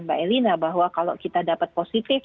mbak elina bahwa kalau kita dapat positif